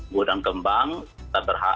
mudah kembang dan berhak